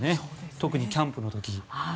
特にキャンプの時。